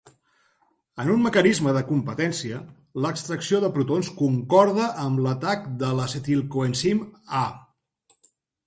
En un mecanisme de competència, l'extracció de protons concorda amb l'atac de l'acetilcoenzim A